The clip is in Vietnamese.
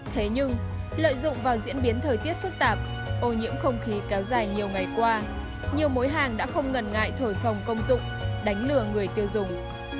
thế nhưng lợi dụng vào diễn biến thời tiết phức tạp ô nhiễm không khí kéo dài nhiều ngày qua nhiều mối hàng đã không ngần ngại thổi phòng công dụng đánh lừa người tiêu dùng